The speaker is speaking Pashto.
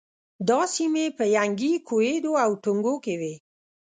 دا سیمې په ینګی، کویدو او ټونګو کې وې.